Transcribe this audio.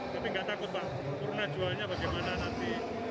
tapi nggak takut pak purna jualnya bagaimana nanti